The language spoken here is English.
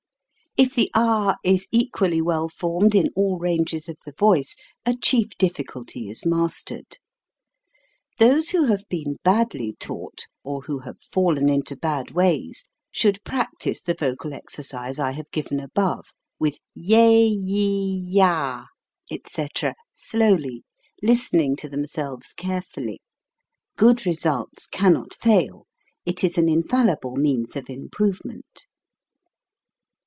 If the ah is equally well formed in all ranges of the voice, a chief difficulty is mastered. Those who have been badly taught, or have fallen into bad ways, should practise the vocal exercise I have given above, with ya ye yah, etc., slowly, 'listening to themselves carefully. Good results cannot fail ; it is an infallible means of improvement.